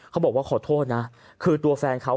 เขาบอกว่าขอโทษนะคือตัวแฟนเขา